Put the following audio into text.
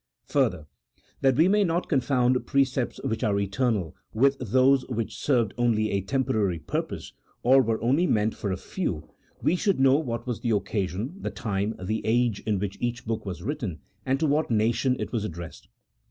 Further, that we may not confound precepts which are eternal with those which served only a temporary purpose, or were only meant for a few, we should know what was the occasion, the time, the age, in which each book was written, and to what nation it was addressed.